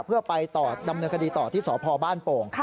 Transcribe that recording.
เพื่อไปดำเนื้อกดีต่อที่สภบ้านโป๋ง